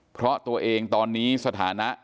เพราะตัวเองตอนนี้สถานะ